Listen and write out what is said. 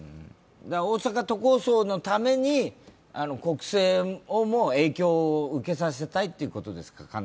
大阪都構想のために国政をも影響を受けさせたいということですか？